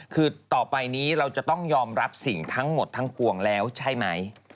คือต่อไปนี้เราจะต้องยอมรับสิ่งทั้งหมดทั้งปวงแล้วใช่ไหม